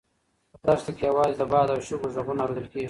په دښته کې یوازې د باد او شګو غږ اورېدل کېږي.